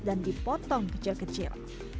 dan dipotong kecil kecil